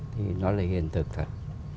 thì nó là hiện thực thật